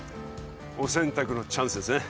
お洗濯のチャンスですね。